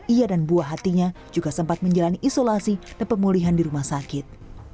ia dan buah hatinya juga sempat menjalani isolasi dan pemulihan di rumah sakit